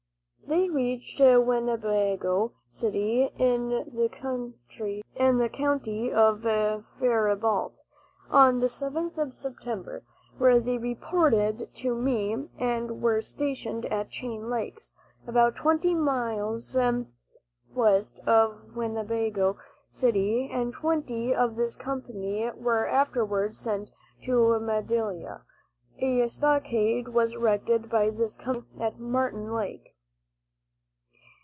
They reached Winnebago City, in the county of Faribault, on the 7th of September, where they reported to me, and were stationed at Chain Lakes, about twenty miles west of Winnebago City, and twenty of this company were afterwards sent to Madelia. A stockade was erected by this company at Martin Lake.